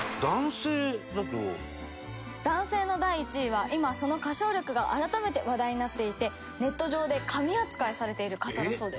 男性の第１位は今その歌唱力が改めて話題になっていてネット上で神扱いされている方だそうです。